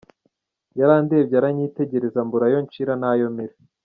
Yarandebye aranyitegereza mbura ayo ncira n’ayo mira.